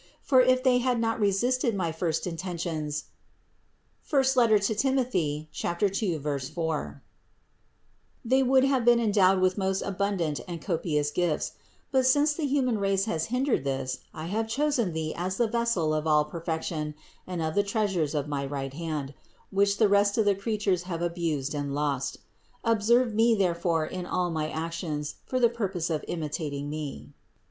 For if they had not resisted my first intentions (I Tim. 2, 4), they would have been endowed with my most abundant and copious gifts; but since the human race has hindered this, I have chosen thee as the vessel of all perfection and of the treasures of my right hand, which the rest of the creatures have abused and lost. Observe me therefore in all my actions for the purpose of imitat ing Me."